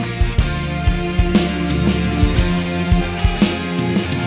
gak salah gue juga